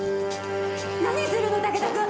何するの武田君！